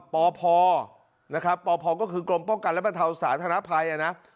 พพนะครับปพก็คือกรมป้องกันและบรรเทาสาธารณภัยนะ